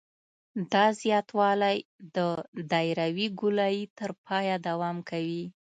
دا زیاتوالی د دایروي ګولایي تر پایه دوام کوي